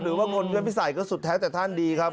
หรือว่าคนเพื่อนพิสัยก็สุดแท้แต่ท่านดีครับ